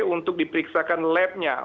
untuk diperiksakan labnya